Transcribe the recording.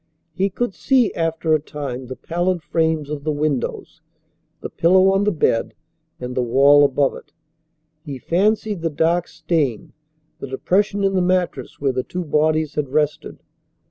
He could see after a time the pallid frames of the windows, the pillow on the bed, and the wall above it. He fancied the dark stain, the depression in the mattress where the two bodies had rested.